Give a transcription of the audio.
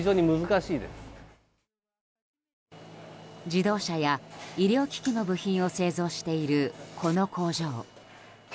自動車や医療機器の部品を製造しているこの工場。